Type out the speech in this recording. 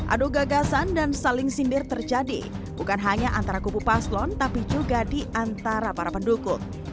adu gagasan dan saling sindir terjadi bukan hanya antara kubu paslon tapi juga di antara para pendukung